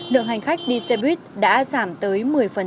lượng hành khách đi xe buýt đã giảm tới một mươi